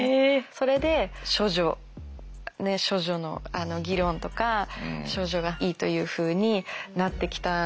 それで処女ね処女の議論とか処女がいいというふうになってきたんですよね。